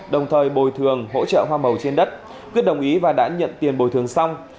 đồng thời bồi thường hỗ trợ hoa màu trên đất quyết đồng ý và đã nhận tiền bồi thường xong